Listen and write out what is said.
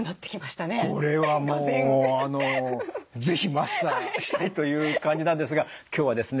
是非マスターしたいという感じなんですが今日はですね